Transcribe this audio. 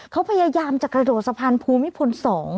เขาพยายามจะกระโดดสะพานภูมิพล๒